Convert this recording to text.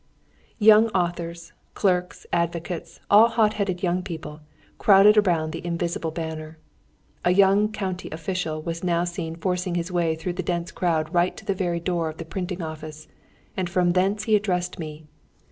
Young authors, clerks, advocates, all hot headed young people, crowded around the invisible banner. A young county official was now seen forcing his way through the dense crowd right to the very door of the printing office, and from thence he addressed me.